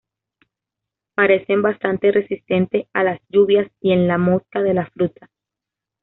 Parecen bastante resistentes a las lluvias y en la mosca de la fruta.